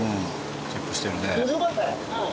チェックしてるね。